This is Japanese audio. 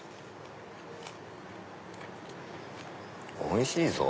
おいしいぞ。